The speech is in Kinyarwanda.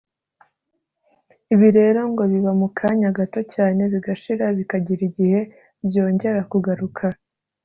ibi rero ngo biba mu kanya gato cyane bigashira bikagira igihe byongera kugaruka